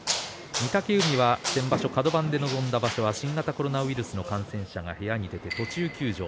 御嶽海は先場所カド番で臨んだ場所、新型コロナウイルス感染者が部屋に出て途中休場